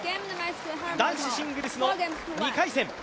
男子シングルスの２回戦。